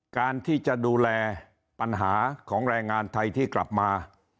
การที่จะดูแลปัญหาของแรงงานไทยที่กลับมา